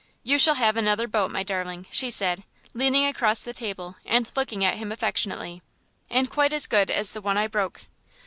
"You shall have another boat, my darling," she said, leaning across the table and looking at him affectionately; "and quite as good as the one I broke."